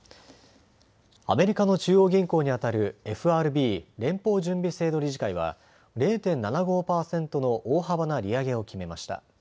アメリカの中央銀行にあたるＦＲＢ・連邦準備制度理事会は０．７５％の大幅な利上げを決めました。